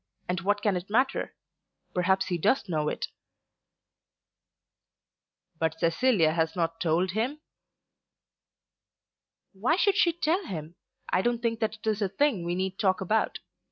And what can it matter? Perhaps he does know it." "But Cecilia has not told him?" "Why should she tell him? I don't think that it is a thing we need talk about.